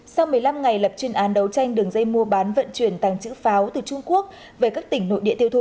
sau một mươi năm ngày lập chuyên án đấu tranh đường dây mua bán vận chuyển tàng trữ pháo từ trung quốc về các tỉnh nội địa tiêu thụ